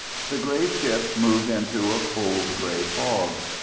The grey ship moved into a cold grey fog.